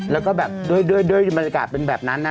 แล้วก็แบบด้วยบรรยากาศเป็นแบบนั้นนะ